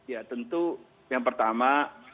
ya tentu yang pertama